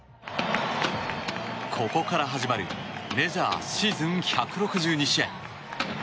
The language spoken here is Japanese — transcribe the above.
ここから始まるメジャーシーズン１６２試合。